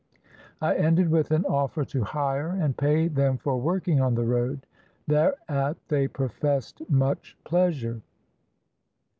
I ended with an offer to hire and pay them for working on the road. Thereat they professed much pleasure.